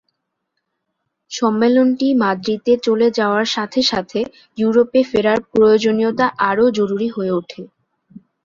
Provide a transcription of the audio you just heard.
সম্মেলনটি মাদ্রিদে চলে যাওয়ার সাথে সাথে ইউরোপে ফেরার প্রয়োজনীয়তা আরও জরুরি হয়ে ওঠে।